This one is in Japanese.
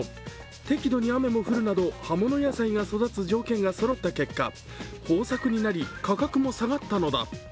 適度に雨も降るなど葉物野菜が育つ条件がそろった結果、豊作になり、価格も下がったのだ。